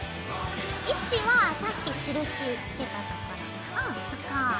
位置はさっき印つけたところうんそこ。